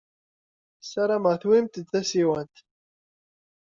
Ssarameɣ tewwimt-d tasiwant.